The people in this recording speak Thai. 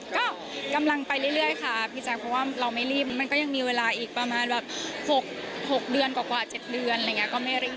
ก็กำลังไปเรื่อยค่ะพี่แจ๊คเพราะว่าเราไม่รีบมันก็ยังมีเวลาอีกประมาณแบบ๖เดือนกว่า๗เดือนอะไรอย่างนี้ก็ไม่รีบ